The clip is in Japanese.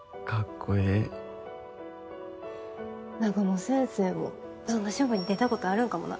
こええ南雲先生もそんな勝負に出たことあるんかもな